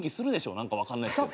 なんかわかんないけど。